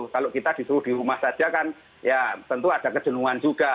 kalau kita disuruh di rumah saja kan ya tentu ada kejenuhan juga